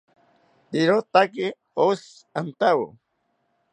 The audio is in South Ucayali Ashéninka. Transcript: Rirotaki oshi antawo